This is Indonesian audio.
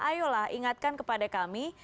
ayolah ingatkan kepada kami